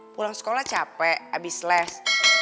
pulang sekolah capek habis les